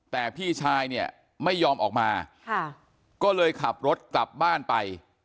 แต่พี่ชายเนี่ยไม่ยอมออกมาก็เลยขับรถกลับบ้านไป